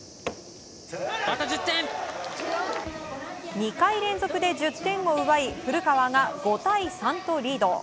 ２回連続で１０点を奪い古川が５対３とリード。